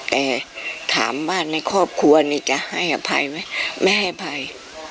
แต่ถามบ้านในครอบครัวนี่จะให้อภัยไหมไม่ให้อภัย